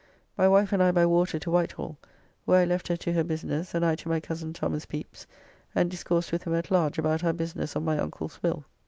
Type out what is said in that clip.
My wife and I by water to Whitehall, where I left her to her business and I to my cozen Thomas Pepys, and discoursed with him at large about our business of my uncle's will.